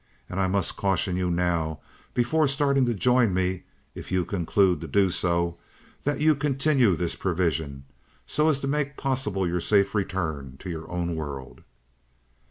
And I must caution you now, before starting to join me, if you conclude to do so, that you continue this provision, so as to make possible your safe return to your own world.